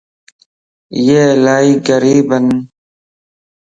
اي الائي غريبن